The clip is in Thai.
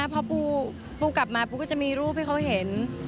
พอปูกลับมาปูก็จะมีรูปให้เขาเห็น